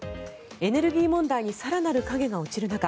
エネルギー問題に更なる影が落ちる中